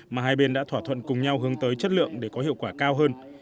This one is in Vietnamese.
mà hai bên đã thỏa thuận cùng nhau hướng tới chất lượng để có hiệu quả cao hơn